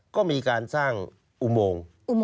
ก็มีการสร้างอุโมง